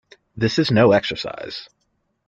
This is no exercise.